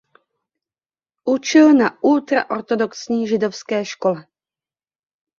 Učil na ultraortodoxní židovské škole.